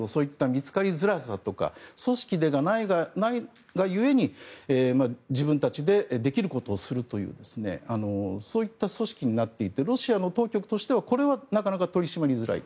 見つかりづらさとか組織ではないが故に自分たちでできることをするというそういった組織になっていてロシアの当局としてはこれはなかなか取り締まりづらい。